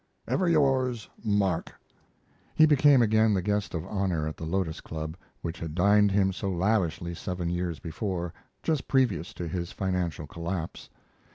Ever yours, MARK. He became again the guest of honor at the Lotos Club, which had dined him so lavishly seven years before, just previous to his financial collapse.